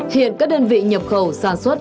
hiện các đơn vị nhập khẩu sản xuất